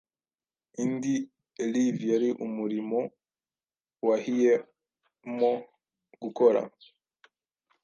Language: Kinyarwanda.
Indi erivii yari umurimo wahiemo gukora